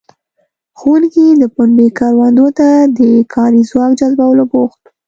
ښوونکي د پنبې کروندو ته د کاري ځواک جذبولو بوخت وو.